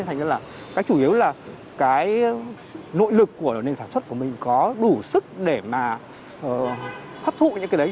thành ra là cái chủ yếu là cái nội lực của nền sản xuất của mình có đủ sức để mà hấp thụ những cái đấy